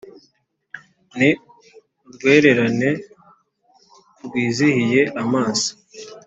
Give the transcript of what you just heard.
ni urwererane rwizihiye amaso